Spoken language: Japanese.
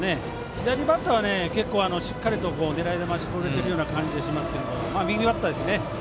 左バッターは結構、しっかりと狙い球絞れてるような感じがしますけど右バッターですね。